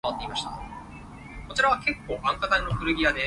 口水多过茶